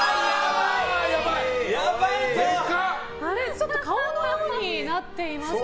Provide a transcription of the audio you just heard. ちょっと顔のようになっています。